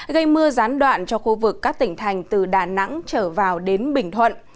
gây mưa gián đoạn cho khu vực các tỉnh thành từ đà nẵng trở vào đến bình thuận